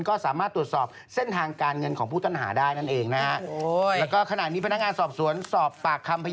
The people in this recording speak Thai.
ก็สามารถตรวจสอบเส้นทางการเงินของผู้ต้องหาได้นั่นเองนะฮะ